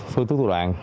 phương thức thủ đoạn